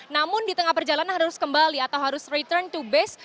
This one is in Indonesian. namun di tengah perjalanan harus kembali atau harus return to base